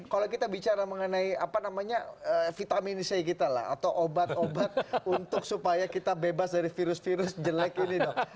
kalau kita bicara mengenai apa namanya vitamin c kita lah atau obat obat untuk supaya kita bebas dari virus virus jelek ini dok